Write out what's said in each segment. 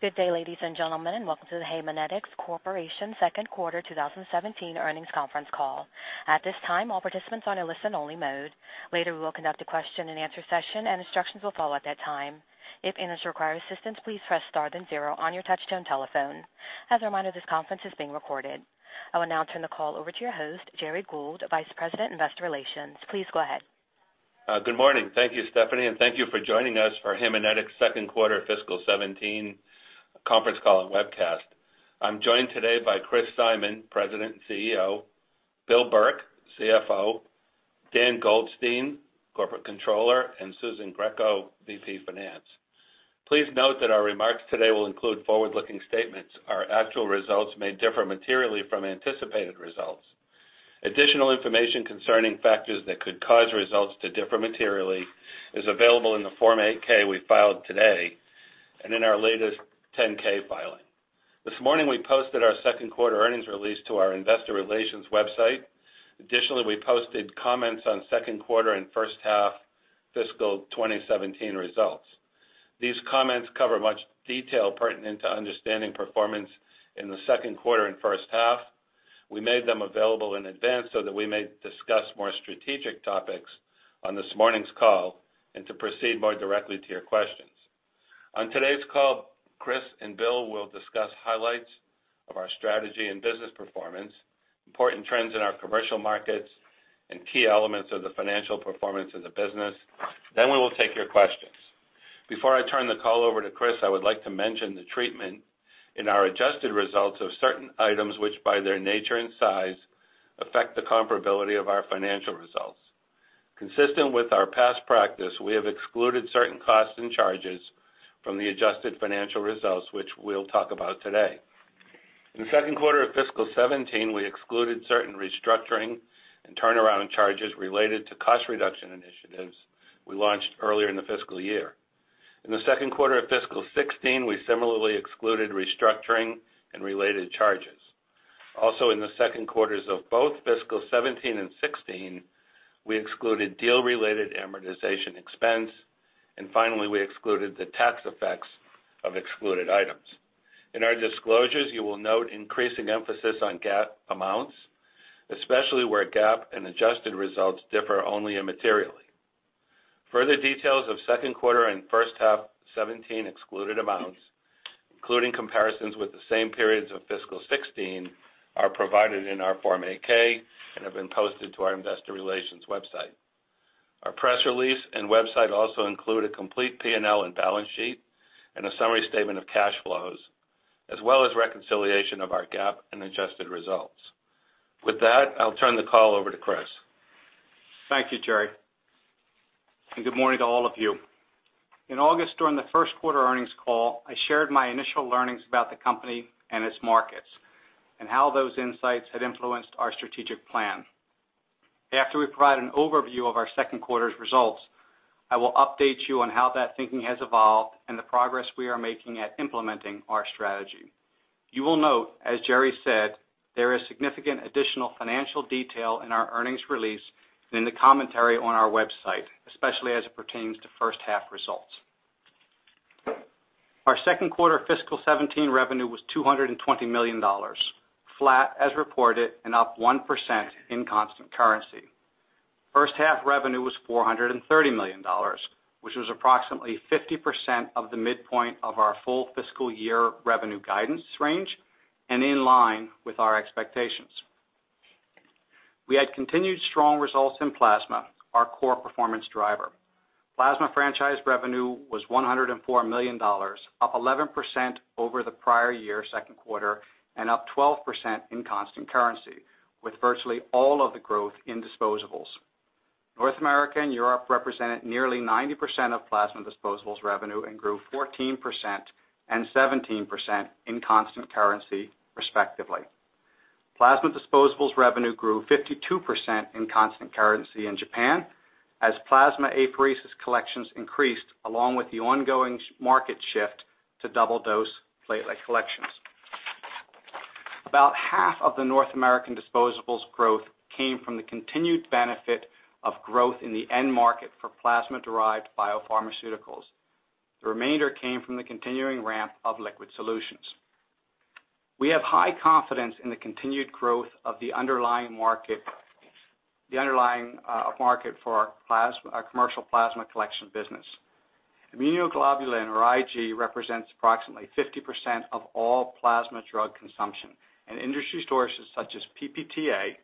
Good day, ladies and gentlemen, and welcome to the Haemonetics Corporation second quarter 2017 earnings conference call. At this time, all participants are in listen only mode. Later, we will conduct a question and answer session and instructions will follow at that time. If anyone requires assistance, please press star then zero on your touchtone telephone. As a reminder, this conference is being recorded. I will now turn the call over to your host, Gerry Gould, Vice President, Investor Relations. Please go ahead. Good morning. Thank you, Stephanie, and thank you for joining us for Haemonetics second quarter fiscal 2017 conference call and webcast. I am joined today by Chris Simon, President and CEO, Bill Burke, CFO, Dan Goldstein, Corporate Controller, and Susan Greco, VP Finance. Please note that our remarks today will include forward-looking statements. Our actual results may differ materially from anticipated results. Additional information concerning factors that could cause results to differ materially is available in the Form 8-K we filed today and in our latest 10-K filing. This morning, we posted our second quarter earnings release to our investor relations website. Additionally, we posted comments on second quarter and first half fiscal 2017 results. These comments cover much detail pertinent to understanding performance in the second quarter and first half. We made them available in advance so that we may discuss more strategic topics on this morning's call and to proceed more directly to your questions. On today's call, Chris and Bill will discuss highlights of our strategy and business performance, important trends in our commercial markets, and key elements of the financial performance of the business. We will take your questions. Before I turn the call over to Chris, I would like to mention the treatment in our adjusted results of certain items, which by their nature and size, affect the comparability of our financial results. Consistent with our past practice, we have excluded certain costs and charges from the adjusted financial results, which we will talk about today. In the second quarter of fiscal 2017, we excluded certain restructuring and turnaround charges related to cost reduction initiatives we launched earlier in the fiscal year. In the second quarter of fiscal 2016, we similarly excluded restructuring and related charges. In the second quarters of both fiscal 2017 and 2016, we excluded deal-related amortization expense, and finally, we excluded the tax effects of excluded items. In our disclosures, you will note increasing emphasis on GAAP amounts, especially where GAAP and adjusted results differ only immaterially. Further details of second quarter and first half 2017 excluded amounts, including comparisons with the same periods of fiscal 2016, are provided in our Form 8-K and have been posted to our investor relations website. Our press release and website also include a complete P&L and balance sheet and a summary statement of cash flows, as well as reconciliation of our GAAP and adjusted results. With that, I will turn the call over to Chris. Thank you, Gerry, and good morning to all of you. In August, during the first quarter earnings call, I shared my initial learnings about the company and its markets and how those insights had influenced our strategic plan. After we provide an overview of our second quarter's results, I will update you on how that thinking has evolved and the progress we are making at implementing our strategy. You will note, as Gerry said, there is significant additional financial detail in our earnings release and in the commentary on our website, especially as it pertains to first half results. Our second quarter fiscal 2017 revenue was $220 million, flat as reported and up 1% in constant currency. First half revenue was $430 million, which was approximately 50% of the midpoint of our full fiscal year revenue guidance range and in line with our expectations. We had continued strong results in plasma, our core performance driver. Plasma franchise revenue was $104 million, up 11% over the prior year second quarter, and up 12% in constant currency, with virtually all of the growth in disposables. North America and Europe represented nearly 90% of plasma disposables revenue and grew 14% and 17% in constant currency, respectively. Plasma disposables revenue grew 52% in constant currency in Japan as plasma apheresis collections increased along with the ongoing market shift to double-dose platelet collections. About half of the North American disposables growth came from the continued benefit of growth in the end market for plasma-derived biopharmaceuticals. The remainder came from the continuing ramp of liquid solutions. We have high confidence in the continued growth of the underlying market for our commercial plasma collection business. Immunoglobulin, or IG, represents approximately 50% of all plasma drug consumption, and industry sources such as PPTA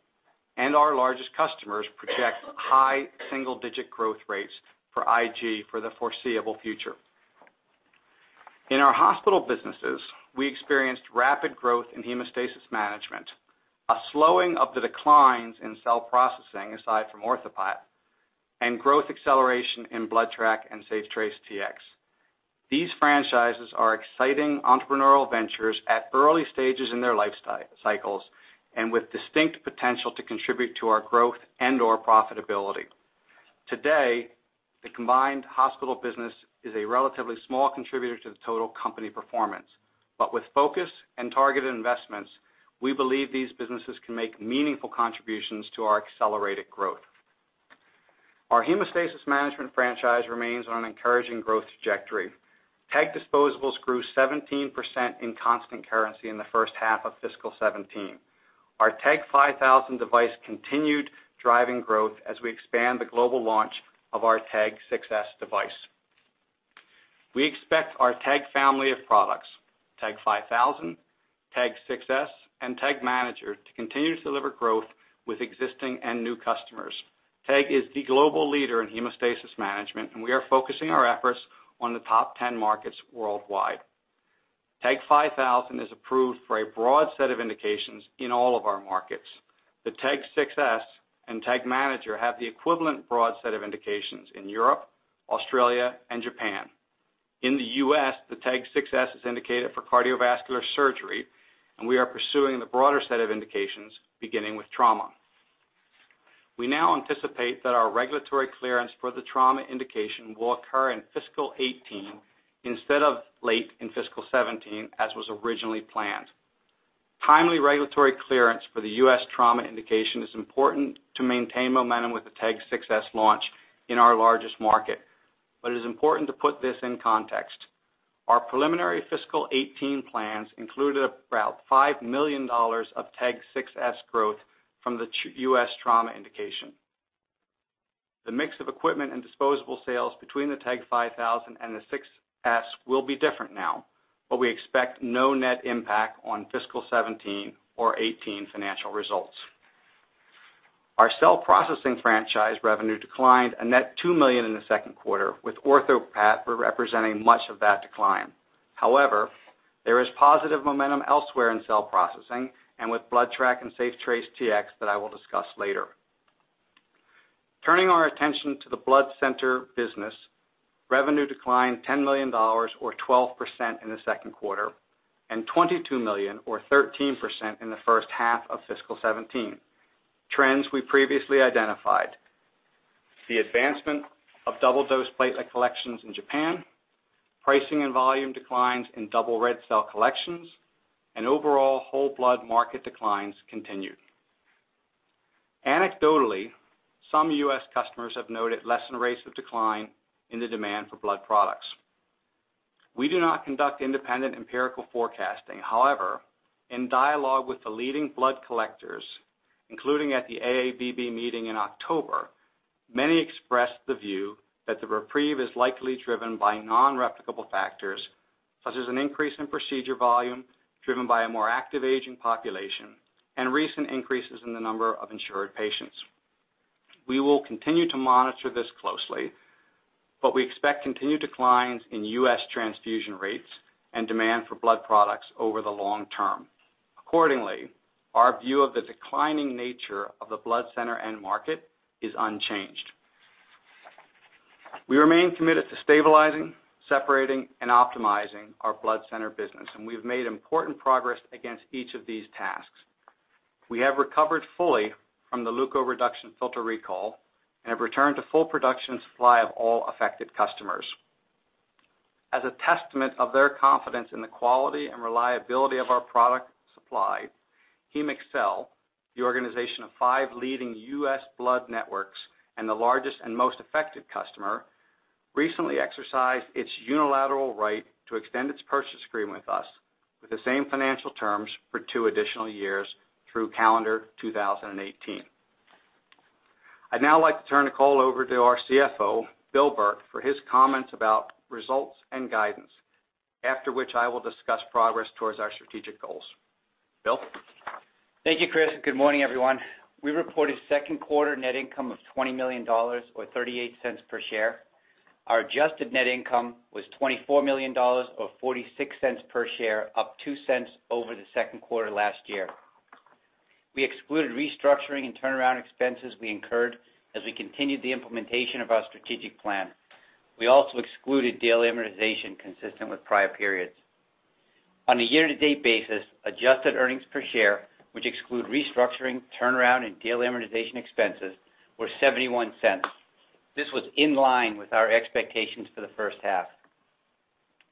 and our largest customers project high single-digit growth rates for IG for the foreseeable future. In our hospital businesses, we experienced rapid growth in hemostasis management, a slowing of the declines in cell processing aside from OrthoPAT, and growth acceleration in BloodTrack and SafeTrace Tx. These franchises are exciting entrepreneurial ventures at early stages in their life cycles and with distinct potential to contribute to our growth and/or profitability. Today, the combined hospital business is a relatively small contributor to the total company performance. With focus and targeted investments, we believe these businesses can make meaningful contributions to our accelerated growth. Our hemostasis management franchise remains on an encouraging growth trajectory. TEG disposables grew 17% in constant currency in the first half of fiscal 2017. Our TEG 5000 device continued driving growth as we expand the global launch of our TEG 6s device. We expect our TEG family of products, TEG 5000, TEG 6s, and TEG Manager, to continue to deliver growth with existing and new customers. TEG is the global leader in hemostasis management, and we are focusing our efforts on the top 10 markets worldwide. TEG 5000 is approved for a broad set of indications in all of our markets. The TEG 6s and TEG Manager have the equivalent broad set of indications in Europe, Australia, and Japan. In the U.S., the TEG 6s is indicated for cardiovascular surgery, and we are pursuing the broader set of indications, beginning with trauma. We now anticipate that our regulatory clearance for the trauma indication will occur in fiscal 2018 instead of late in fiscal 2017, as was originally planned. Timely regulatory clearance for the U.S. trauma indication is important to maintain momentum with the TEG 6s launch in our largest market. It is important to put this in context. Our preliminary fiscal 2018 plans included about $5 million of TEG 6s growth from the U.S. trauma indication. The mix of equipment and disposable sales between the TEG 5000 and the 6s will be different now, but we expect no net impact on fiscal 2017 or 2018 financial results. Our cell processing franchise revenue declined a net $2 million in the second quarter, with OrthoPAT representing much of that decline. There is positive momentum elsewhere in cell processing and with BloodTrack and SafeTrace Tx that I will discuss later. Turning our attention to the blood center business, revenue declined $10 million, or 12%, in the second quarter, and $22 million, or 13%, in the first half of fiscal 2017. Trends we previously identified, the advancement of double dose platelet collections in Japan, pricing and volume declines in double red cell collections, and overall whole blood market declines continued. Anecdotally, some U.S. customers have noted less in rates of decline in the demand for blood products. We do not conduct independent empirical forecasting. In dialogue with the leading blood collectors, including at the AABB meeting in October, many expressed the view that the reprieve is likely driven by non-replicable factors, such as an increase in procedure volume driven by a more active aging population and recent increases in the number of insured patients. We will continue to monitor this closely. We expect continued declines in U.S. transfusion rates and demand for blood products over the long term. Accordingly, our view of the declining nature of the blood center end market is unchanged. We remain committed to stabilizing, separating, and optimizing our blood center business, and we have made important progress against each of these tasks. We have recovered fully from the leukoreduction filter recall and have returned to full production supply of all affected customers. As a testament of their confidence in the quality and reliability of our product supply, HemeXcel, the organization of five leading U.S. blood networks and the largest and most effective customer, recently exercised its unilateral right to extend its purchase agreement with us with the same financial terms for two additional years through calendar 2018. I'd now like to turn the call over to our CFO, Bill Burke, for his comments about results and guidance, after which I will discuss progress towards our strategic goals. Bill? Thank you, Chris. Good morning, everyone. We reported second quarter net income of $20 million, or $0.38 per share. Our adjusted net income was $24 million, or $0.46 per share, up $0.02 over the second quarter last year. We excluded restructuring and turnaround expenses we incurred as we continued the implementation of our strategic plan. We also excluded deal amortization consistent with prior periods. On a year-to-date basis, adjusted earnings per share, which exclude restructuring, turnaround, and deal amortization expenses, were $0.71. This was in line with our expectations for the first half.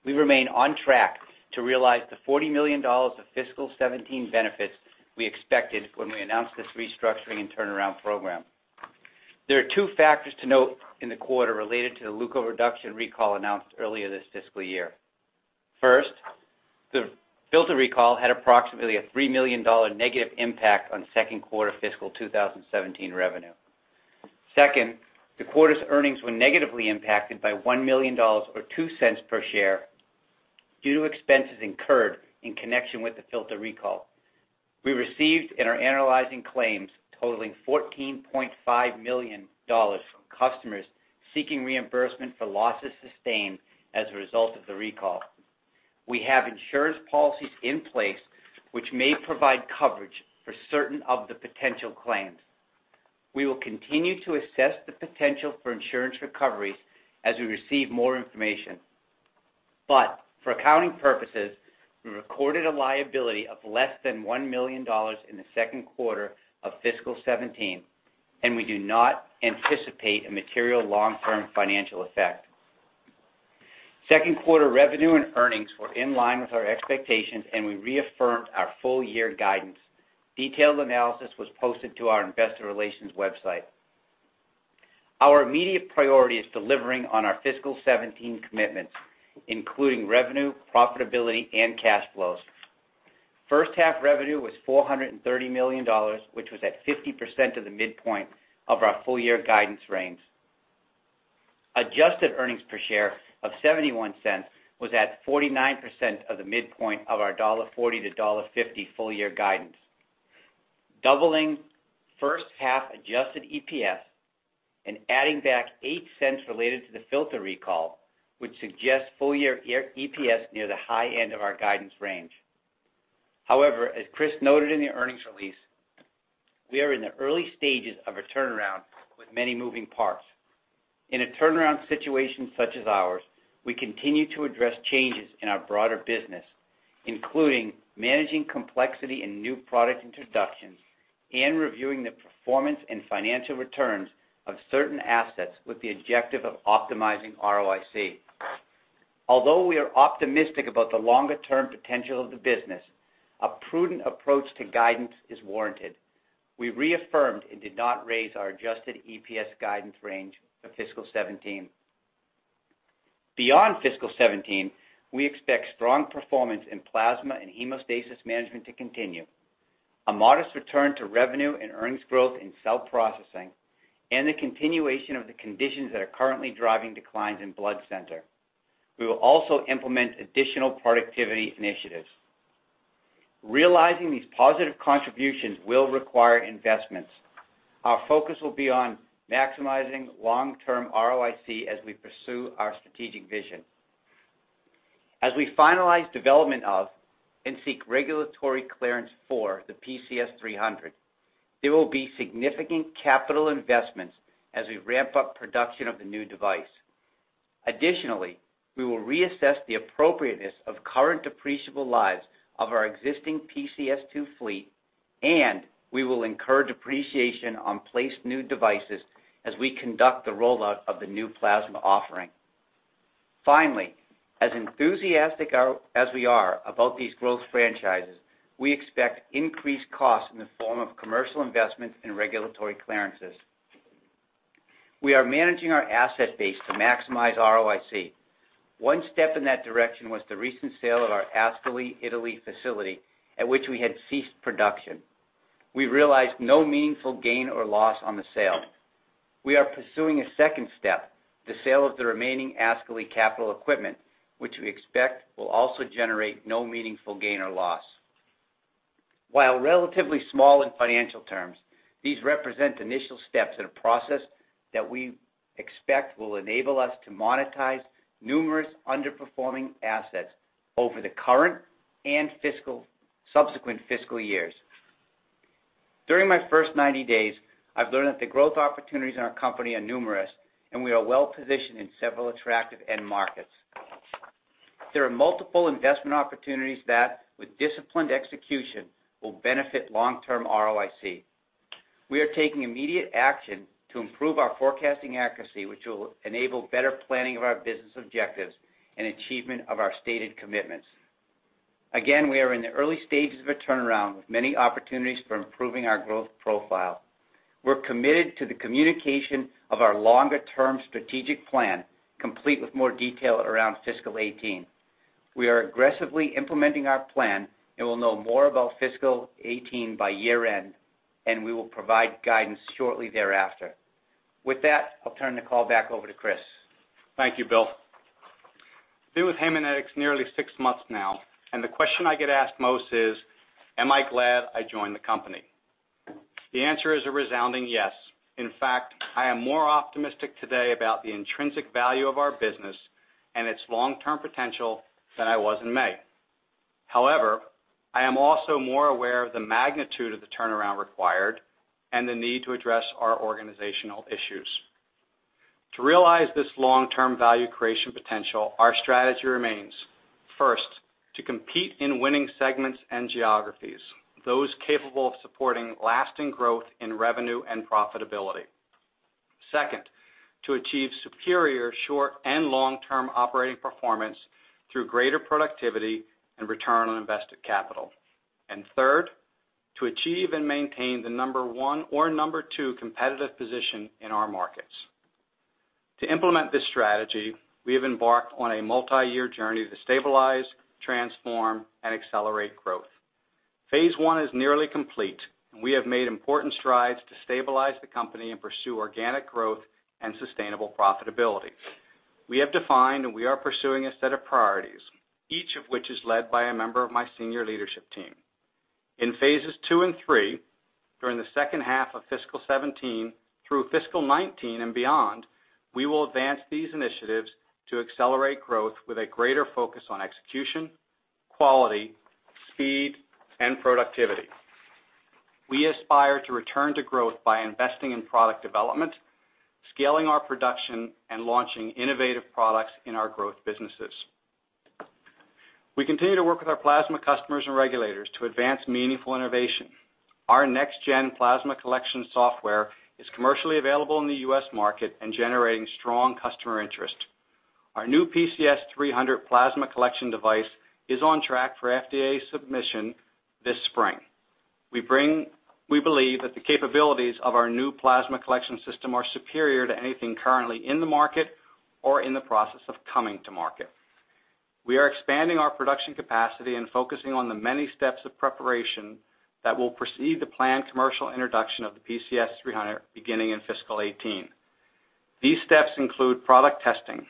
We remain on track to realize the $40 million of fiscal 2017 benefits we expected when we announced this restructuring and turnaround program. There are two factors to note in the quarter related to the leukoreduction recall announced earlier this fiscal year. First, the filter recall had approximately a $3 million negative impact on second quarter fiscal 2017 revenue. Second, the quarter's earnings were negatively impacted by $1 million or $0.02 per share due to expenses incurred in connection with the filter recall. We received and are analyzing claims totaling $14.5 million from customers seeking reimbursement for losses sustained as a result of the recall. We have insurance policies in place which may provide coverage for certain of the potential claims. We will continue to assess the potential for insurance recoveries as we receive more information. For accounting purposes, we recorded a liability of less than $1 million in the second quarter of fiscal 2017, and we do not anticipate a material long-term financial effect. Second quarter revenue and earnings were in line with our expectations, and we reaffirmed our full year guidance. Detailed analysis was posted to our investor relations website. Our immediate priority is delivering on our fiscal 2017 commitments, including revenue, profitability, and cash flows. First half revenue was $430 million, which was at 50% of the midpoint of our full year guidance range. Adjusted earnings per share of $0.71 was at 49% of the midpoint of our $1.40 to $1.50 full year guidance. Doubling first half adjusted EPS and adding back $0.08 related to the filter recall would suggest full year EPS near the high end of our guidance range. As Chris noted in the earnings release, we are in the early stages of a turnaround with many moving parts. In a turnaround situation such as ours, we continue to address changes in our broader business, including managing complexity in new product introductions, and reviewing the performance and financial returns of certain assets with the objective of optimizing ROIC. A prudent approach to guidance is warranted. We reaffirmed and did not raise our adjusted EPS guidance range for fiscal 2017. Beyond fiscal 2017, we expect strong performance in plasma and hemostasis management to continue, a modest return to revenue and earnings growth in cell processing, and the continuation of the conditions that are currently driving declines in blood center. We will also implement additional productivity initiatives. Realizing these positive contributions will require investments. Our focus will be on maximizing long-term ROIC as we pursue our strategic vision. As we finalize development of and seek regulatory clearance for the PCS 300, there will be significant capital investments as we ramp up production of the new device. Additionally, we will reassess the appropriateness of current depreciable lives of our existing PCS2 fleet, and we will incur depreciation on placed new devices as we conduct the rollout of the new plasma offering. Finally, as enthusiastic as we are about these growth franchises, we expect increased costs in the form of commercial investments and regulatory clearances. We are managing our asset base to maximize ROIC. One step in that direction was the recent sale of our Ascoli, Italy facility, at which we had ceased production. We realized no meaningful gain or loss on the sale. We are pursuing a second step, the sale of the remaining Ascoli capital equipment, which we expect will also generate no meaningful gain or loss. While relatively small in financial terms, these represent initial steps in a process that we expect will enable us to monetize numerous underperforming assets over the current and subsequent fiscal years. During my first 90 days, I've learned that the growth opportunities in our company are numerous, and we are well-positioned in several attractive end markets. There are multiple investment opportunities that, with disciplined execution, will benefit long-term ROIC. We are taking immediate action to improve our forecasting accuracy, which will enable better planning of our business objectives and achievement of our stated commitments. Again, we are in the early stages of a turnaround, with many opportunities for improving our growth profile. We're committed to the communication of our longer term strategic plan, complete with more detail around fiscal 2018. We are aggressively implementing our plan, and will know more about fiscal 2018 by year-end, and we will provide guidance shortly thereafter. With that, I'll turn the call back over to Chris. Thank you, Bill. Been with Haemonetics nearly six months now, and the question I get asked most is, am I glad I joined the company? The answer is a resounding yes. In fact, I am more optimistic today about the intrinsic value of our business and its long-term potential than I was in May. However, I am also more aware of the magnitude of the turnaround required and the need to address our organizational issues. To realize this long-term value creation potential, our strategy remains, first, to compete in winning segments and geographies, those capable of supporting lasting growth in revenue and profitability. Second, to achieve superior short and long-term operating performance through greater productivity and return on invested capital. And third, to achieve and maintain the number one or number two competitive position in our markets. To implement this strategy, we have embarked on a multi-year journey to stabilize, transform, and accelerate growth. Phase 1 is nearly complete, and we have made important strides to stabilize the company and pursue organic growth and sustainable profitability. We have defined and we are pursuing a set of priorities, each of which is led by a member of my senior leadership team. In phases 2 and 3, during the second half of fiscal 2017 through fiscal 2019 and beyond, we will advance these initiatives to accelerate growth with a greater focus on execution, quality, speed, and productivity. We aspire to return to growth by investing in product development, scaling our production, and launching innovative products in our growth businesses. We continue to work with our plasma customers and regulators to advance meaningful innovation. Our next-gen plasma collection software is commercially available in the U.S. market and generating strong customer interest. Our new PCS 300 plasma collection device is on track for FDA submission this spring. We believe that the capabilities of our new plasma collection system are superior to anything currently in the market or in the process of coming to market. We are expanding our production capacity and focusing on the many steps of preparation that will precede the planned commercial introduction of the PCS 300 beginning in fiscal 2018. These steps include product testing,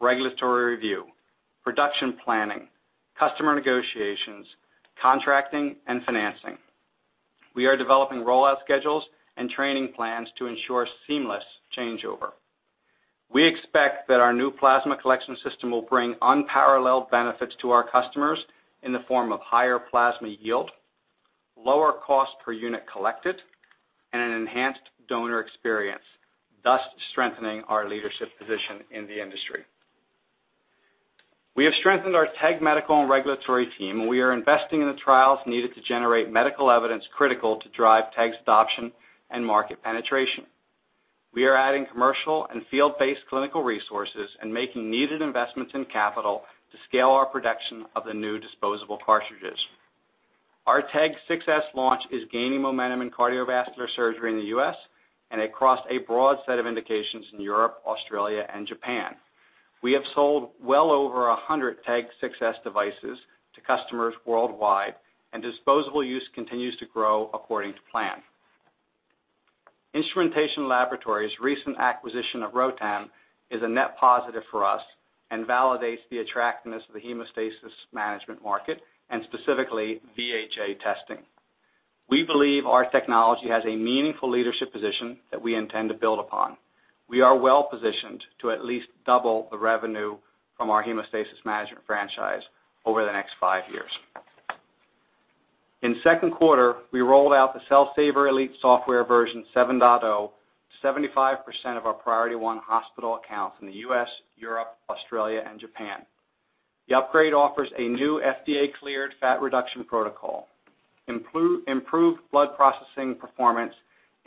regulatory review, production planning, customer negotiations, contracting, and financing. We are developing rollout schedules and training plans to ensure seamless changeover. We expect that our new plasma collection system will bring unparalleled benefits to our customers in the form of higher plasma yield, lower cost per unit collected, and an enhanced donor experience, thus strengthening our leadership position in the industry. We have strengthened our TEG medical and regulatory team, and we are investing in the trials needed to generate medical evidence critical to drive TEG's adoption and market penetration. We are adding commercial and field-based clinical resources and making needed investments in capital to scale our production of the new disposable cartridges. Our TEG 6s launch is gaining momentum in cardiovascular surgery in the U.S. and across a broad set of indications in Europe, Australia, and Japan. We have sold well over 100 TEG 6s devices to customers worldwide, and disposable use continues to grow according to plan. Instrumentation Laboratory's recent acquisition of ROTEM is a net positive for us and validates the attractiveness of the hemostasis management market and specifically VHA testing. We believe our technology has a meaningful leadership position that we intend to build upon. We are well-positioned to at least double the revenue from our hemostasis management franchise over the next five years. In the second quarter, we rolled out the Cell Saver Elite software version 7.0, 75% of our priority 1 hospital accounts in the U.S., Europe, Australia, and Japan. The upgrade offers a new FDA-cleared fat reduction protocol, improved blood processing performance,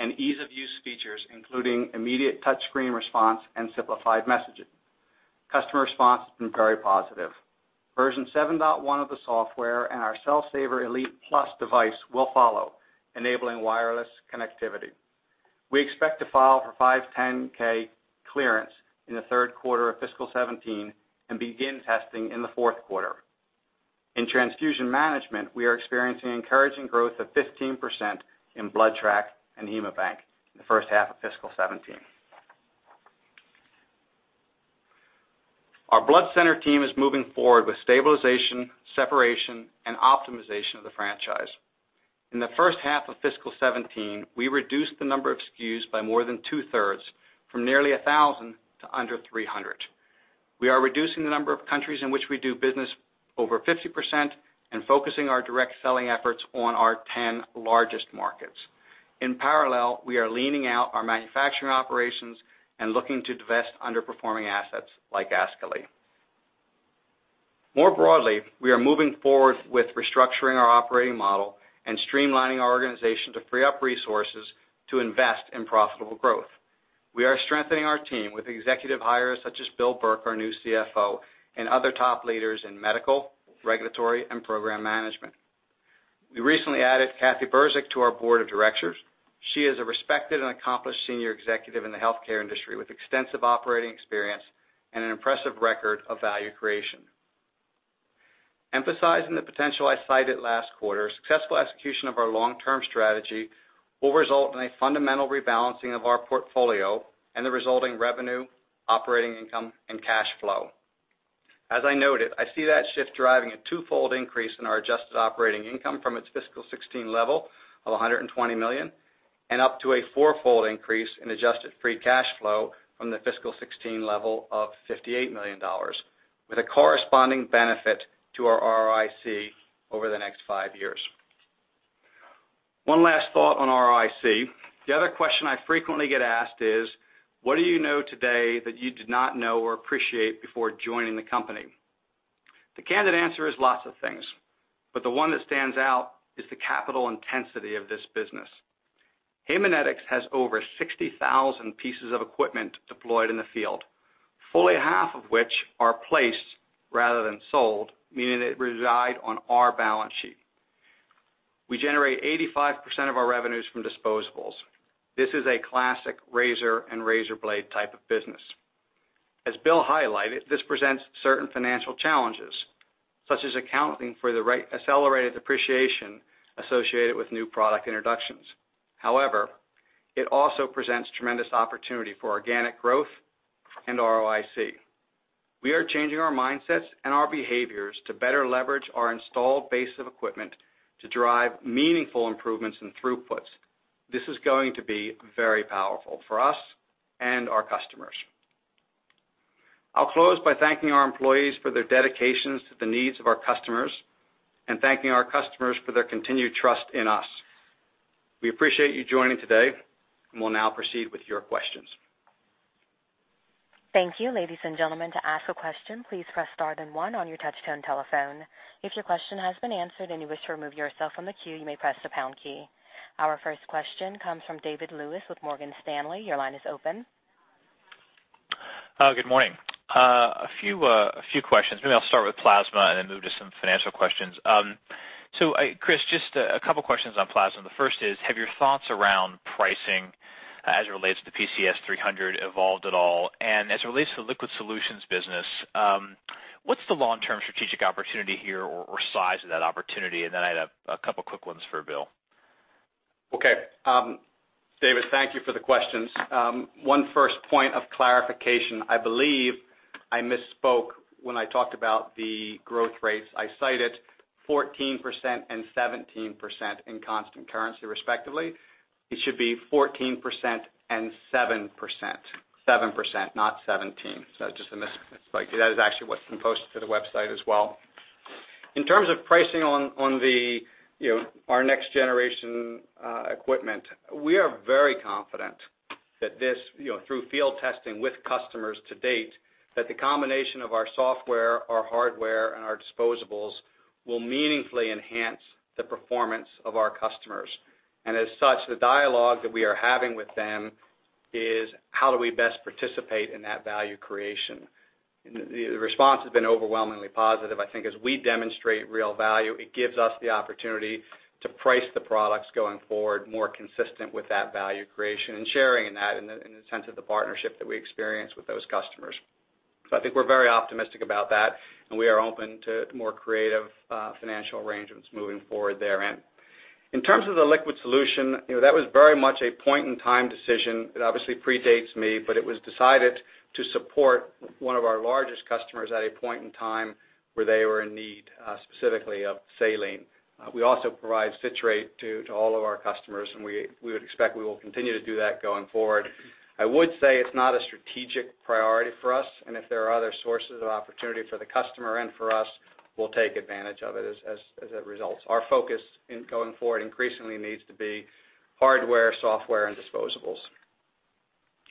and ease-of-use features, including immediate touchscreen response and simplified messaging. Customer response has been very positive. Version 7.1 of the software and our Cell Saver Elite+ device will follow, enabling wireless connectivity. We expect to file for 510(k) clearance in the third quarter of fiscal 2017 and begin testing in the fourth quarter. In transfusion management, we are experiencing encouraging growth of 15% in BloodTrack and HaemoBank in the first half of fiscal 2017. Our blood center team is moving forward with stabilization, separation, and optimization of the franchise. In the first half of fiscal 2017, we reduced the number of SKUs by more than two-thirds from nearly 1,000 to under 300. We are reducing the number of countries in which we do business by over 50% and focusing our direct selling efforts on our 10 largest markets. In parallel, we are leaning out our manufacturing operations and looking to divest underperforming assets like Ascoli. More broadly, we are moving forward with restructuring our operating model and streamlining our organization to free up resources to invest in profitable growth. We are strengthening our team with executive hires such as Bill Burke, our new CFO, and other top leaders in medical, regulatory, and program management. We recently added Cathy Burzik to our board of directors. She is a respected and accomplished senior executive in the healthcare industry with extensive operating experience and an impressive record of value creation. Emphasizing the potential I cited last quarter, successful execution of our long-term strategy will result in a fundamental rebalancing of our portfolio and the resulting revenue, operating income, and cash flow. As I noted, I see that shift driving a twofold increase in our adjusted operating income from its fiscal 2016 level of $120 million and up to a fourfold increase in adjusted free cash flow from the fiscal 2016 level of $58 million, with a corresponding benefit to our ROIC over the next five years. One last thought on ROIC. The other question I frequently get asked is: what do you know today that you did not know or appreciate before joining the company? The candid answer is lots of things, but the one that stands out is the capital intensity of this business. Haemonetics has over 60,000 pieces of equipment deployed in the field, fully half of which are placed rather than sold, meaning they reside on our balance sheet. We generate 85% of our revenues from disposables. This is a classic razor and razor blade type of business. As Bill highlighted, this presents certain financial challenges, such as accounting for the accelerated depreciation associated with new product introductions. However, it also presents tremendous opportunity for organic growth and ROIC. We are changing our mindsets and our behaviors to better leverage our installed base of equipment to drive meaningful improvements in throughputs. This is going to be very powerful for us and our customers. I'll close by thanking our employees for their dedications to the needs of our customers and thanking our customers for their continued trust in us. We appreciate you joining today, and we'll now proceed with your questions. Thank you. Ladies and gentlemen, to ask a question, please press star then one on your touch-tone telephone. If your question has been answered and you wish to remove yourself from the queue, you may press the pound key. Our first question comes from David Lewis with Morgan Stanley. Your line is open. Good morning. A few questions. Maybe I'll start with plasma and then move to some financial questions. Chris, just a couple of questions on plasma. The first is, have your thoughts around pricing as it relates to PCS 300 evolved at all? As it relates to the liquid solutions business, what's the long-term strategic opportunity here or size of that opportunity? Then I had a couple quick ones for Bill. David, thank you for the questions. One first point of clarification. I believe I misspoke when I talked about the growth rates. I cited 14% and 17% in constant currency, respectively. It should be 14% and 7%. 7%, not 17. Just a misspoken. That is actually what's been posted to the website as well. In terms of pricing on our next generation equipment, we are very confident that this, through field testing with customers to date, that the combination of our software, our hardware, and our disposables will meaningfully enhance the performance of our customers. As such, the dialogue that we are having with them is how do we best participate in that value creation. The response has been overwhelmingly positive. I think as we demonstrate real value, it gives us the opportunity to price the products going forward more consistent with that value creation and sharing in that in the sense of the partnership that we experience with those customers. I think we're very optimistic about that, and we are open to more creative financial arrangements moving forward there. In terms of the liquid solution, that was very much a point-in-time decision. It obviously predates me, but it was decided to support one of our largest customers at a point in time where they were in need, specifically of saline. We also provide citrate to all of our customers, and we would expect we will continue to do that going forward. I would say it's not a strategic priority for us. If there are other sources of opportunity for the customer and for us, we'll take advantage of it as it results. Our focus going forward increasingly needs to be hardware, software, and disposables.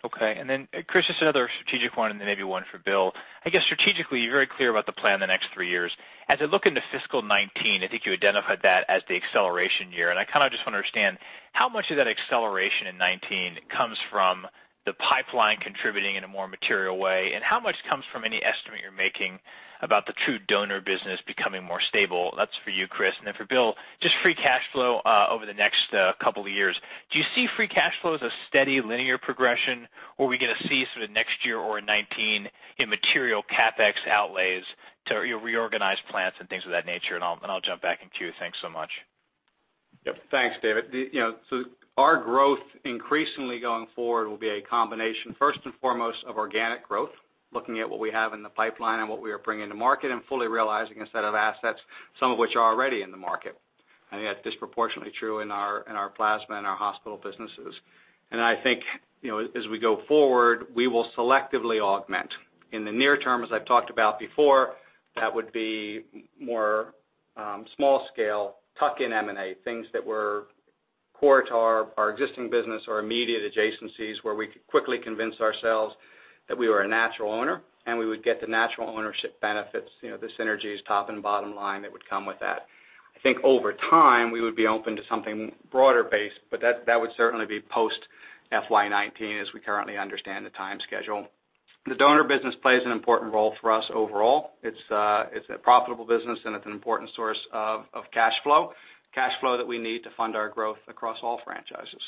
Okay. Chris, just another strategic one, then maybe one for Bill. I guess strategically, you're very clear about the plan the next three years. As I look into FY 2019, I think you identified that as the acceleration year. I kind of just want to understand how much of that acceleration in 2019 comes from the pipeline contributing in a more material way, how much comes from any estimate you're making about the true donor business becoming more stable? That's for you, Chris. For Bill, just free cash flow over the next couple of years. Do you see free cash flow as a steady linear progression, or are we going to see sort of next year or in 2019 immaterial CapEx outlays to reorganize plants and things of that nature? I'll jump back in queue. Thanks so much. Yep. Thanks, David. Our growth increasingly going forward will be a combination, first and foremost, of organic growth, looking at what we have in the pipeline, what we are bringing to market, fully realizing a set of assets, some of which are already in the market. I think that's disproportionately true in our plasma and our hospital businesses. I think, as we go forward, we will selectively augment. In the near term, as I've talked about before, that would be more small scale, tuck-in M&A, things that were core to our existing business or immediate adjacencies where we could quickly convince ourselves that we were a natural owner. We would get the natural ownership benefits, the synergies, top and bottom line that would come with that. I think over time, we would be open to something broader based, but that would certainly be post FY 2019 as we currently understand the time schedule. The donor business plays an important role for us overall. It's a profitable business. It's an important source of cash flow, cash flow that we need to fund our growth across all franchises.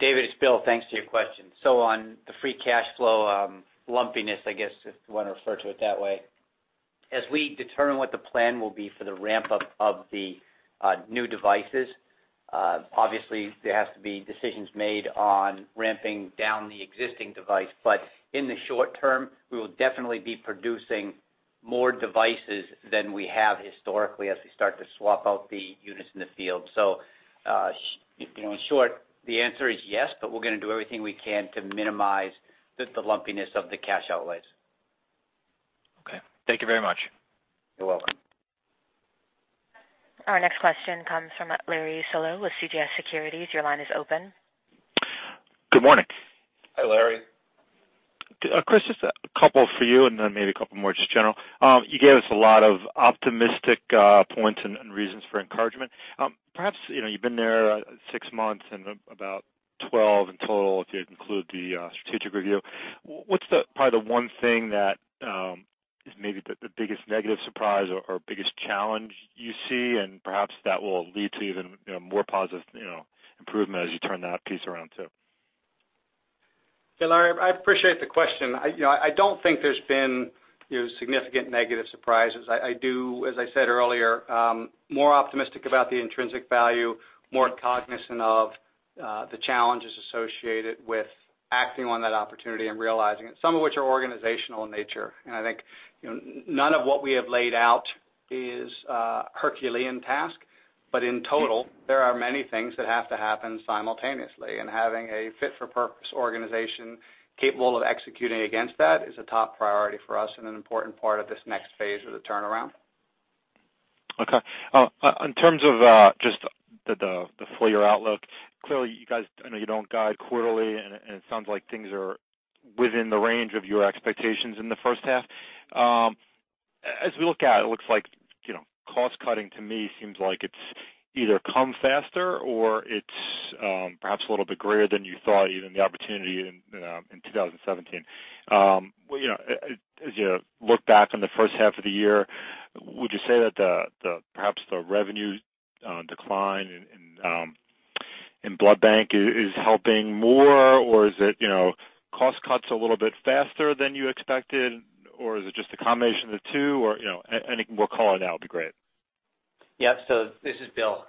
David, it's Bill. Thanks for your question. On the free cash flow lumpiness, I guess, if you want to refer to it that way. As we determine what the plan will be for the ramp-up of the new devices, obviously there has to be decisions made on ramping down the existing device. In the short term, we will definitely be producing more devices than we have historically as we start to swap out the units in the field. In short, the answer is yes, but we're going to do everything we can to minimize the lumpiness of the cash outlays. Okay. Thank you very much. You're welcome. Our next question comes from Larry Solow with CJS Securities. Your line is open. Good morning. Hi, Larry. Chris, just a couple for you and then maybe a couple more just general. You gave us a lot of optimistic points and reasons for encouragement. Perhaps, you've been there six months and about 12 in total, if you include the strategic review. What's probably the one thing that is maybe the biggest negative surprise or biggest challenge you see, and perhaps that will lead to even more positive improvement as you turn that piece around, too? Yeah, Larry, I appreciate the question. I don't think there's been significant negative surprises. I do, as I said earlier, more optimistic about the intrinsic value, more cognizant of the challenges associated with acting on that opportunity and realizing it, some of which are organizational in nature. I think none of what we have laid out is a Herculean task, but in total, there are many things that have to happen simultaneously. Having a fit-for-purpose organization capable of executing against that is a top priority for us and an important part of this next phase of the turnaround. Okay. In terms of just the full-year outlook, clearly you guys, I know you don't guide quarterly, and it sounds like things are within the range of your expectations in the first half. As we look at it looks like cost-cutting to me seems like it's either come faster or it's perhaps a little bit greater than you thought, even the opportunity in 2017. As you look back on the first half of the year, would you say that perhaps the revenue decline in blood bank is helping more, or is it cost cuts a little bit faster than you expected, or is it just a combination of the two? Or any, we'll call it now would be great. Yeah. This is Bill.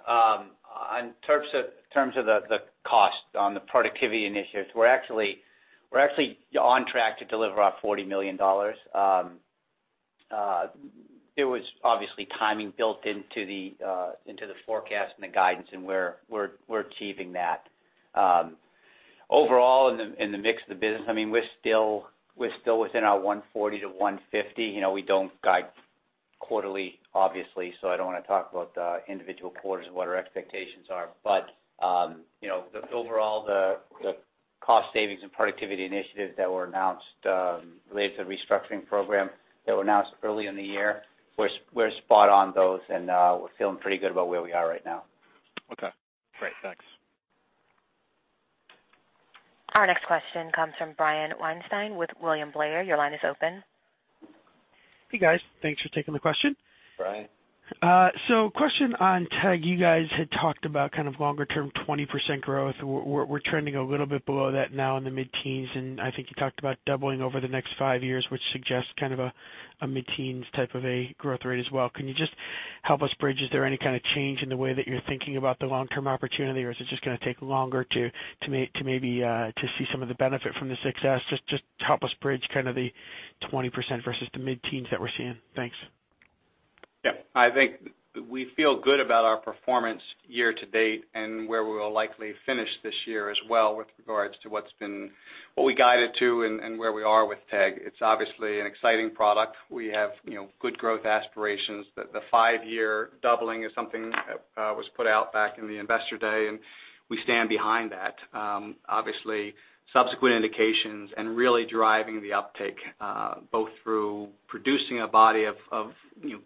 In terms of the cost on the productivity initiatives, we're actually on track to deliver our $40 million. There was obviously timing built into the forecast and the guidance, and we're achieving that. Overall, in the mix of the business, we're still within our $1.40-$1.50. We don't guide quarterly, obviously, so I don't want to talk about the individual quarters and what our expectations are. Overall, the cost savings and productivity initiatives that were announced related to the restructuring program that were announced early in the year, we're spot on those, and we're feeling pretty good about where we are right now. Okay, great. Thanks. Our next question comes from Brian Weinstein with William Blair. Your line is open. Hey, guys. Thanks for taking the question. Brian. Question on TEG. You guys had talked about longer term, 20% growth. We're trending a little bit below that now in the mid-teens. I think you talked about doubling over the next five years, which suggests a mid-teens type of a growth rate as well. Can you just help us bridge? Is there any kind of change in the way that you're thinking about the long-term opportunity, or is it just going to take longer to maybe to see some of the benefit from the success? Just help us bridge the 20% versus the mid-teens that we're seeing. Thanks. I think we feel good about our performance year-to-date and where we'll likely finish this year as well with regards to what we guided to and where we are with TEG. It's obviously an exciting product. We have good growth aspirations. The five-year doubling is something that was put out back in the investor day. We stand behind that. Obviously, subsequent indications and really driving the uptake, both through producing a body of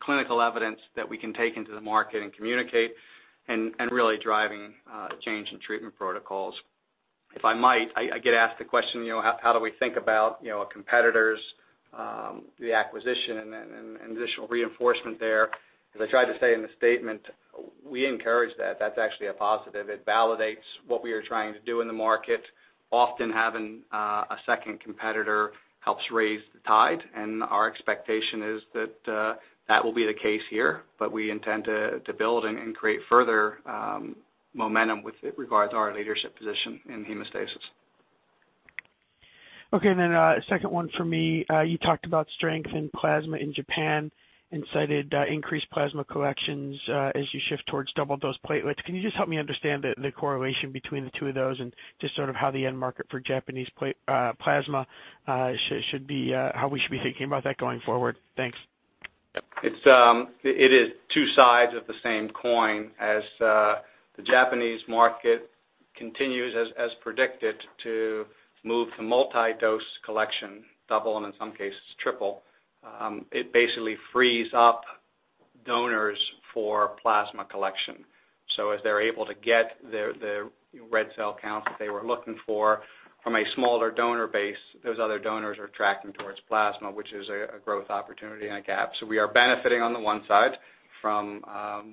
clinical evidence that we can take into the market and communicate and really driving a change in treatment protocols. If I might, I get asked the question, how do we think about a competitor's, the acquisition and additional reinforcement there. As I tried to say in the statement, we encourage that. That's actually a positive. It validates what we are trying to do in the market. Often having a second competitor helps raise the tide. Our expectation is that that will be the case here. We intend to build and create further momentum with regards to our leadership position in hemostasis. Okay, a second one for me. You talked about strength in plasma in Japan and cited increased plasma collections as you shift towards double-dose platelets. Can you just help me understand the correlation between the two of those and just how the end market for Japanese plasma should be, how we should be thinking about that going forward? Thanks. Yep. It is two sides of the same coin. As the Japanese market continues as predicted to move to multi-dose collection, double and in some cases triple, it basically frees up donors for plasma collection. As they're able to get the red cell count that they were looking for from a smaller donor base, those other donors are tracking towards plasma, which is a growth opportunity and a gap. We are benefiting on the one side from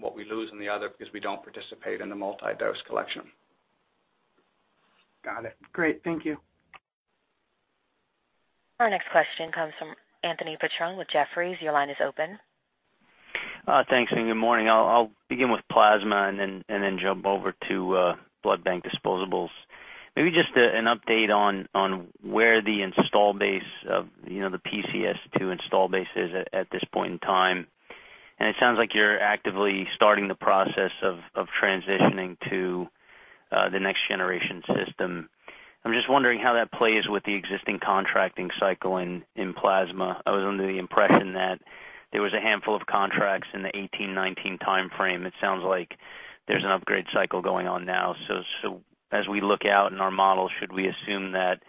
what we lose on the other because we don't participate in the multi-dose collection. Got it. Great. Thank you. Our next question comes from Anthony Petrone with Jefferies. Your line is open. Thanks, good morning. I'll begin with plasma and then jump over to blood bank disposables. Maybe just an update on where the install base of the PCS2 install base is at this point in time. It sounds like you're actively starting the process of transitioning to the next generation system. I'm just wondering how that plays with the existing contracting cycle in plasma. I was under the impression that there was a handful of contracts in the 2018, 2019 timeframe. It sounds like there's an upgrade cycle going on now. As we look out in our model, should we assume that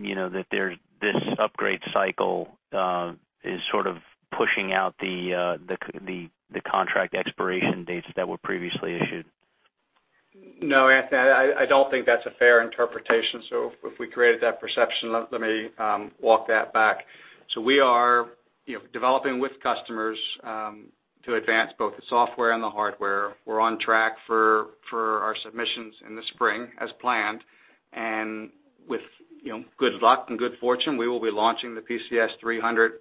this upgrade cycle is pushing out the contract expiration dates that were previously issued? No, Anthony, I don't think that's a fair interpretation. If we created that perception, let me walk that back. We are developing with customers to advance both the software and the hardware. We're on track for our submissions in the spring as planned. With good luck and good fortune, we will be launching the PCS 300,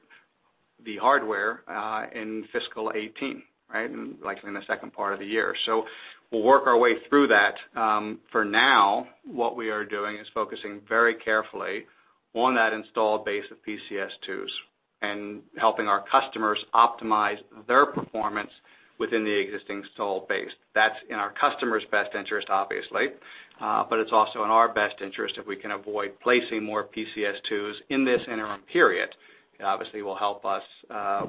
the hardware, in fiscal 2018, likely in the second part of the year. We'll work our way through that. For now, what we are doing is focusing very carefully on that installed base of PCS2s and helping our customers optimize their performance. Within the existing install base, that's in our customer's best interest, obviously, but it's also in our best interest if we can avoid placing more PCS2s in this interim period. It obviously will help us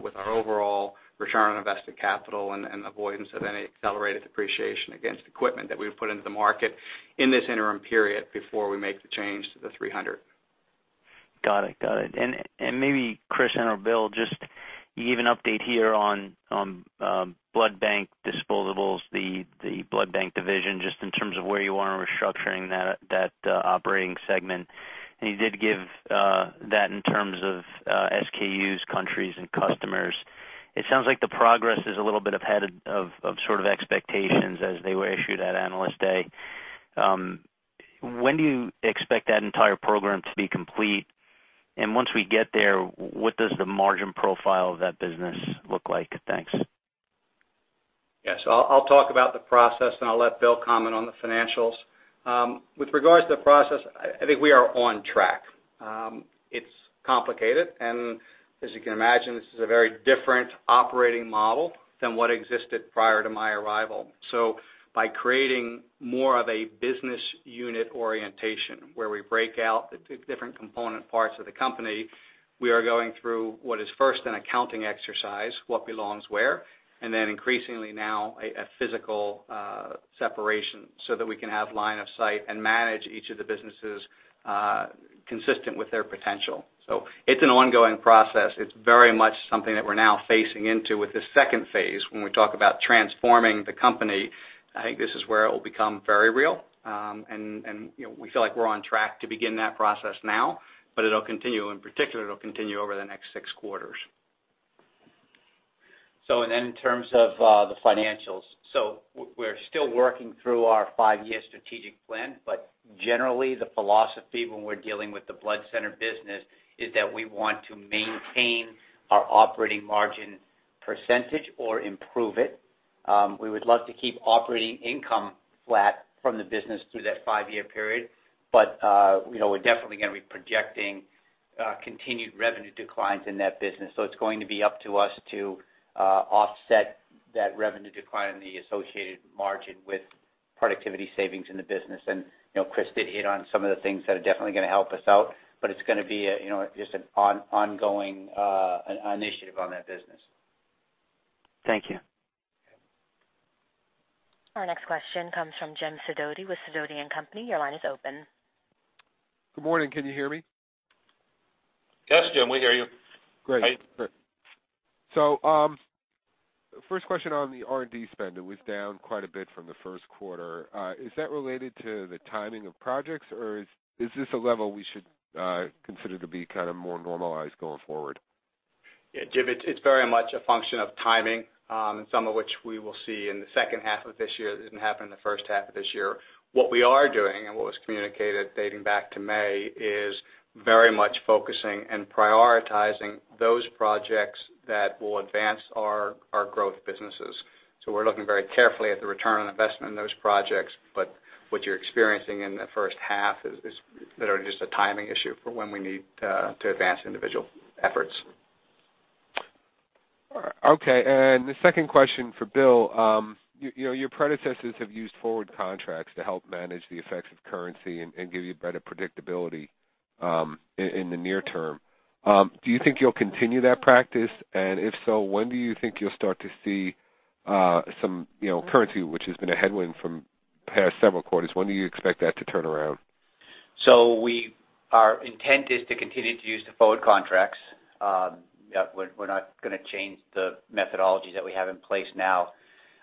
with our overall return on invested capital and avoidance of any accelerated depreciation against equipment that we've put into the market in this interim period before we make the change to the 300. Got it. Maybe Chris and/or Bill, just give an update here on blood bank disposables, the blood bank division, just in terms of where you are in restructuring that operating segment. You did give that in terms of SKUs, countries, and customers. It sounds like the progress is a little bit ahead of expectations as they were issued at Analyst Day. When do you expect that entire program to be complete? Once we get there, what does the margin profile of that business look like? Thanks. Yes. I'll talk about the process, then I'll let Bill comment on the financials. With regards to the process, I think we are on track. It's complicated, and as you can imagine, this is a very different operating model than what existed prior to my arrival. By creating more of a business unit orientation where we break out the different component parts of the company, we are going through what is first an accounting exercise, what belongs where, and then increasingly now, a physical separation so that we can have line of sight and manage each of the businesses consistent with their potential. It's an ongoing process. It's very much something that we're now facing into with this second phase. When we talk about transforming the company, I think this is where it will become very real. We feel like we're on track to begin that process now, but it'll continue. In particular, it'll continue over the next six quarters. In terms of the financials. We're still working through our five-year strategic plan, but generally, the philosophy when we're dealing with the blood center business is that we want to maintain our operating margin percentage or improve it. We would love to keep operating income flat from the business through that five-year period. We're definitely going to be projecting continued revenue declines in that business. It's going to be up to us to offset that revenue decline and the associated margin with productivity savings in the business. Chris did hit on some of the things that are definitely going to help us out, but it's going to be just an ongoing initiative on that business. Thank you. Our next question comes from Jim Sidoti with Sidoti & Company. Your line is open. Good morning. Can you hear me? Yes, Jim, we hear you. Great. First question on the R&D spend. It was down quite a bit from the first quarter. Is that related to the timing of projects, or is this a level we should consider to be more normalized going forward? Yeah, Jim, it's very much a function of timing, some of which we will see in the second half of this year that didn't happen in the first half of this year. What we are doing and what was communicated dating back to May is very much focusing and prioritizing those projects that will advance our growth businesses. We're looking very carefully at the return on investment in those projects. What you're experiencing in the first half is literally just a timing issue for when we need to advance individual efforts. All right. Okay, the second question for Bill. Your predecessors have used forward contracts to help manage the effects of currency and give you better predictability in the near term. Do you think you'll continue that practice? If so, when do you think you'll start to see some currency, which has been a headwind from the past several quarters, when do you expect that to turn around? Our intent is to continue to use the forward contracts. We're not going to change the methodology that we have in place now.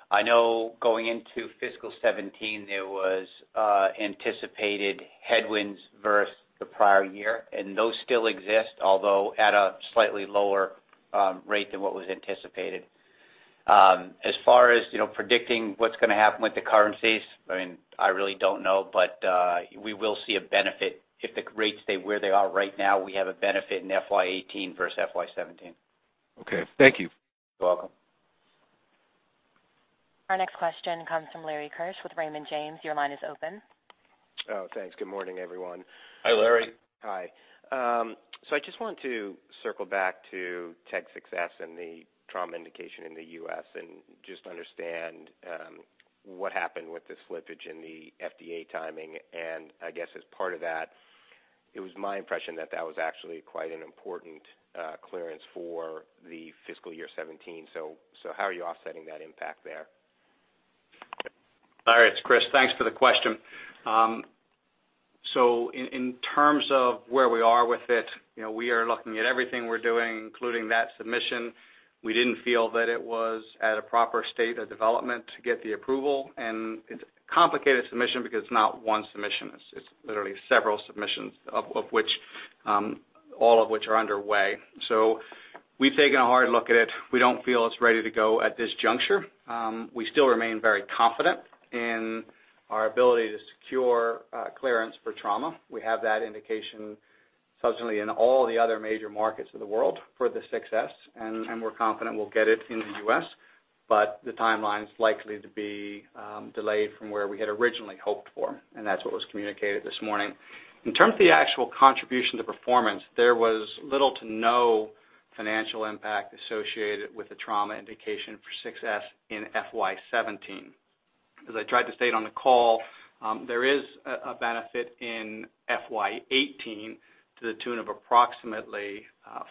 I know going into FY 2017, there was anticipated headwinds versus the prior year, those still exist, although at a slightly lower rate than what was anticipated. As far as predicting what's going to happen with the currencies, I really don't know. We will see a benefit if the rates stay where they are right now. We have a benefit in FY 2018 versus FY 2017. Okay. Thank you. You're welcome. Our next question comes from Larry Keusch with Raymond James. Your line is open. Oh, thanks. Good morning, everyone. Hi, Larry. Hi. I just want to circle back to TEG 6s and the trauma indication in the U.S. and just understand what happened with the slippage in the FDA timing. I guess as part of that, it was my impression that that was actually quite an important clearance for the FY 2017. How are you offsetting that impact there? Larry, it's Chris. Thanks for the question. In terms of where we are with it, we are looking at everything we're doing, including that submission. We didn't feel that it was at a proper state of development to get the approval, and it's a complicated submission because it's not one submission. It's literally several submissions, all of which are underway. We've taken a hard look at it. We don't feel it's ready to go at this juncture. We still remain very confident in our ability to secure clearance for trauma. We have that indication presently in all the other major markets of the world for the 6s, and we're confident we'll get it in the U.S. The timeline's likely to be delayed from where we had originally hoped for, and that's what was communicated this morning. In terms of the actual contribution to performance, there was little to no financial impact associated with the trauma indication for 6s in FY 2017. As I tried to state on the call, there is a benefit in FY 2018 to the tune of approximately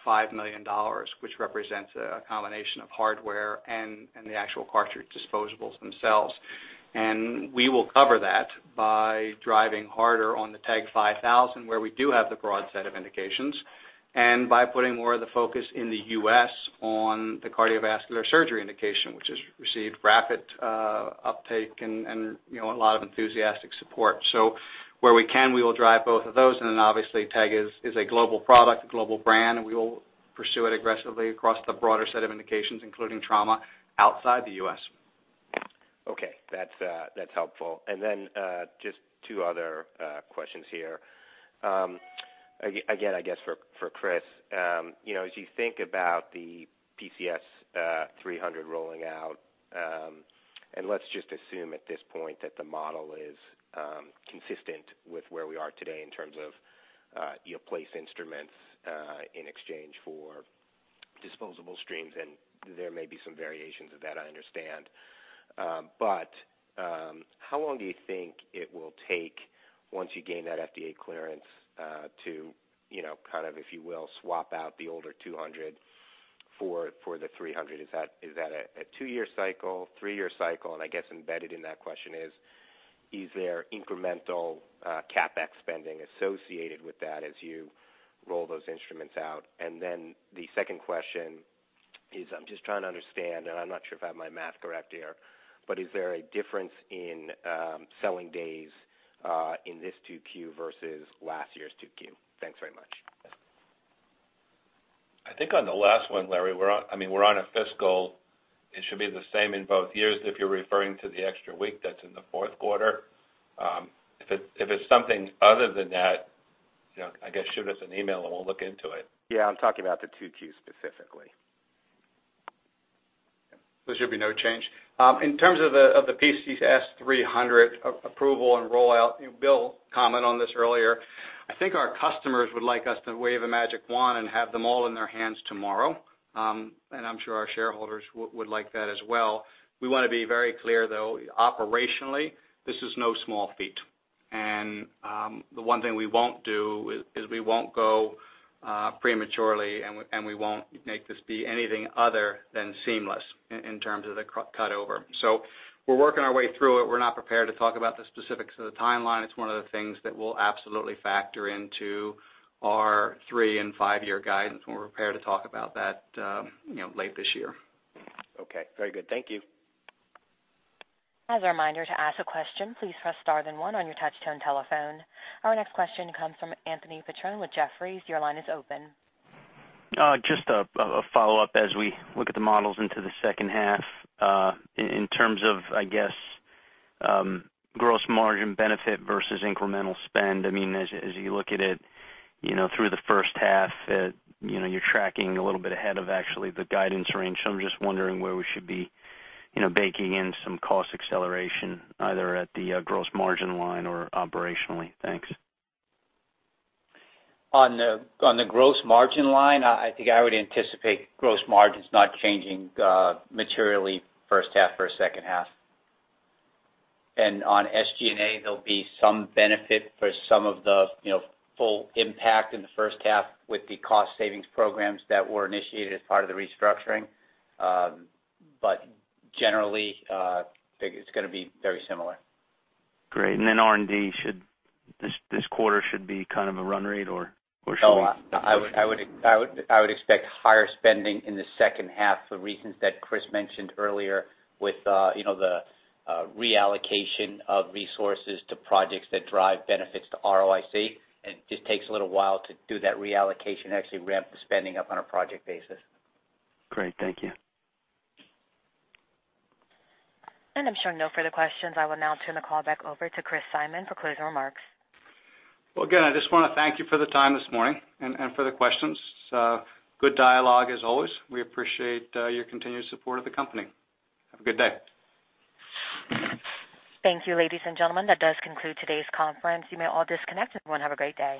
$5 million, which represents a combination of hardware and the actual cartridge disposables themselves. We will cover that by driving harder on the TEG 5000, where we do have the broad set of indications, and by putting more of the focus in the U.S. on the cardiovascular surgery indication, which has received rapid uptake and a lot of enthusiastic support. Where we can, we will drive both of those, and then obviously TEG is a global product, a global brand, and we will pursue it aggressively across the broader set of indications, including trauma outside the U.S. Okay. That's helpful. Then just two other questions here. Again, I guess for Chris. As you think about the PCS 300 rolling out, let's just assume at this point that the model is consistent with where we are today in terms of place instruments in exchange for disposable streams, and there may be some variations of that, I understand. How long do you think it will take once you gain that FDA clearance to, kind of if you will, swap out the older 200 for the 300? Is that a two-year cycle, three-year cycle? I guess embedded in that question is there incremental CapEx spending associated with that as you roll those instruments out? The second question is, I'm just trying to understand, and I'm not sure if I have my math correct here, but is there a difference in selling days in this 2Q versus last year's 2Q? Thanks very much. I think on the last one, Larry, we're on a fiscal, it should be the same in both years if you're referring to the extra week that's in the fourth quarter. If it's something other than that, I guess shoot us an email, and we'll look into it. Yeah, I'm talking about the 2Q specifically. There should be no change. In terms of the PCS 300 approval and rollout, Bill commented on this earlier. I think our customers would like us to wave a magic wand and have them all in their hands tomorrow. I'm sure our shareholders would like that as well. We want to be very clear, though, operationally, this is no small feat. The one thing we won't do is we won't go prematurely, and we won't make this be anything other than seamless in terms of the cut over. We're working our way through it. We're not prepared to talk about the specifics of the timeline. It's one of the things that we'll absolutely factor into our three and five-year guidance. We're prepared to talk about that late this year. Okay. Very good. Thank you. As a reminder, to ask a question, please press star then one on your touch-tone telephone. Our next question comes from Anthony Petrone with Jefferies. Your line is open. Just a follow-up as we look at the models into the second half, in terms of, I guess, gross margin benefit versus incremental spend. As you look at it through the first half, you're tracking a little bit ahead of actually the guidance range. I'm just wondering where we should be baking in some cost acceleration, either at the gross margin line or operationally. Thanks. On the gross margin line, I think I would anticipate gross margins not changing materially first half versus second half. On SG&A, there'll be some benefit for some of the full impact in the first half with the cost savings programs that were initiated as part of the restructuring. Generally, I think it's going to be very similar. Great. Then R&D, this quarter should be kind of a run rate, or should we? No, I would expect higher spending in the second half for reasons that Chris mentioned earlier with the reallocation of resources to projects that drive benefits to ROIC. It just takes a little while to do that reallocation, actually ramp the spending up on a project basis. Great. Thank you. I'm showing no further questions. I will now turn the call back over to Chris Simon for closing remarks. Well, again, I just want to thank you for the time this morning and for the questions. Good dialogue as always. We appreciate your continued support of the company. Have a good day. Thank you, ladies and gentlemen. That does conclude today's conference. You may all disconnect. Everyone have a great day.